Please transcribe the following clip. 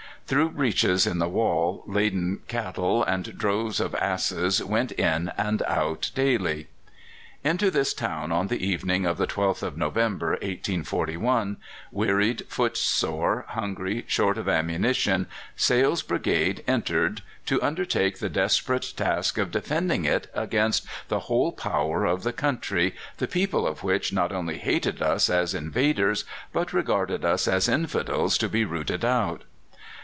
Through breaches in the wall laden cattle and droves of asses went in and out daily. Into this town on the evening of the 12th of November, 1841, wearied, footsore, hungry, short of ammunition, Sale's brigade entered, to undertake the desperate task of defending it against the whole power of the country, the people of which not only hated us as invaders, but regarded us as infidels to be rooted out.